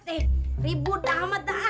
eh ribut amat dah